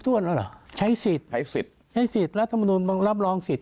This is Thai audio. ท่วนหรอใช้สิทธิ์ใช้สิทธิ์ใช้สิทธิ์รัฐธรรมดุลรับรองสิทธิ์